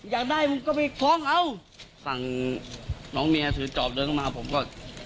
อยากได้มันก็ไปฟังเอาสั่งน้องเมียสือจอบเรื่องขึ้นมาผมก็